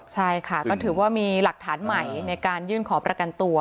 ใช่ค่ะก็ถือว่ามีหลักฐานใหม่ในการยื่นขอประกันตัว